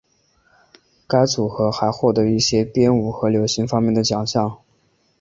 该组合还获得一些编舞和流行方面的奖项。